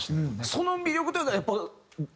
その魅力というのはやっぱり声？